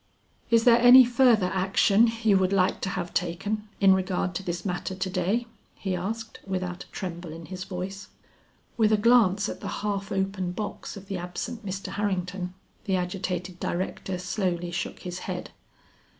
"Is there any further action you would like to have taken in regard to this matter to day?" he asked, without a tremble in his voice. With a glance at the half open box of the absent Mr. Harrington, the agitated director slowly shook his head.